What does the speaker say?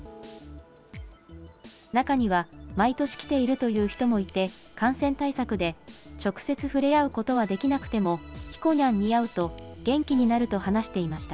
中には毎年来ているという人もいて、感染対策で直接触れ合うことはできなくても、ひこにゃんに会うと元気になると話していました。